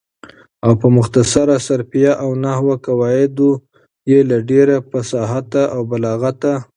او په مختصر صرفیه او نحویه قواعدو یې له ډېره فصاحته او بلاغته